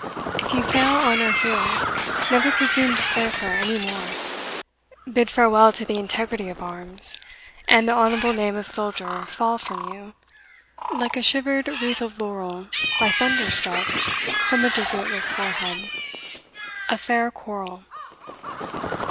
If you fail Honour here, Never presume to serve her any more; Bid farewell to the integrity of armes; And the honourable name of soldier Fall from you, like a shivered wreath of laurel By thunder struck from a desertlesse forehead. A Faire Quarrell.